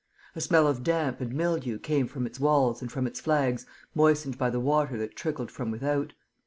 A smell of damp and mildew came from its walls and from its flags moistened by the water that trickled from without.